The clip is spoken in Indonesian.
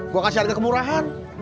gua kasih harga kemurahan